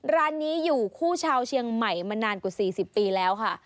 ร้านนี้อยู่คู่ชาวเชียงใหม่มานานกว่า๔๐ปีแล้วค่ะ